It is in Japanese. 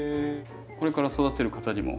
これから育てる方にも。